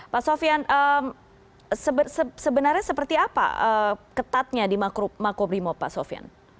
pak sofian sebenarnya seperti apa ketatnya di makobrimob pak sofian